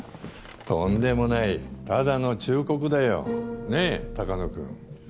とんでもないただの忠告だよ。ねぇ鷹野君。